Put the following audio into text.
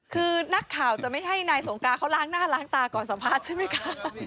คือนักข่าวจะไม่ให้นายสงการเขาล้างหน้าล้างตาก่อนสัมภาษณ์ใช่ไหมคะ